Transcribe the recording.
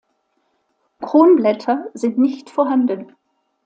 Kronblätter sind nicht vorhanden.